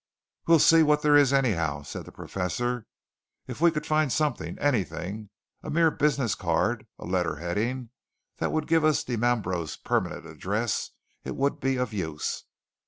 "We'll see what there is, anyhow," said the Professor. "If we could find something, anything a mere business card, a letter heading that would give us Dimambro's permanent address, it would be of use.